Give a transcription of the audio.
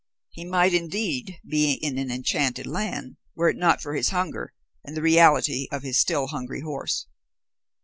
He might indeed be in an enchanted land, were it not for his hunger and the reality of his still hungry horse.